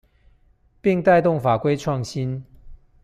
並帶動法規創新